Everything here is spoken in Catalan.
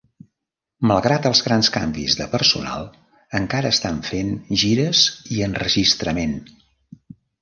Malgrat els grans canvis de personal, encara estan fent gires i enregistrament.